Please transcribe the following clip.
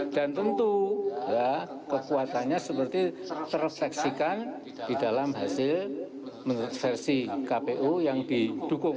dan tentu kekuatannya seperti terrefleksikan di dalam hasil menurut versi kpu yang didukung